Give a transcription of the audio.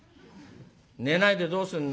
「寝ないでどうするの」。